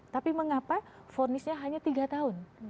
tapi mengapa fonisnya hanya tiga tahun